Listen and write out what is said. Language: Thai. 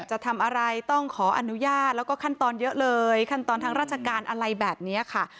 จะทำอะไรต้องขออนุญาตแล้วก็ขั้นตอนเยอะเลยขั้นตอนทางราชการอะไรแบบนี้ค่ะ